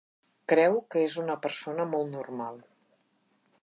Creu que és una persona molt normal.